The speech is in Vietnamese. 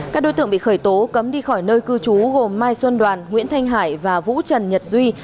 các đối tượng bị khởi tố cấm đi khỏi nơi cư trú gồm mai xuân đoàn nguyễn thanh hải và vũ trần nhật duy